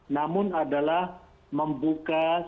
namun adalah membuka kembali pusat perbelanjaan